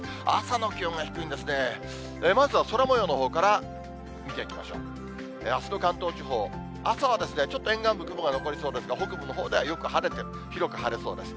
あすの関東地方、朝はちょっと沿岸部、雲が残りそうですが、北部のほうではよく晴れてる、広く晴れそうです。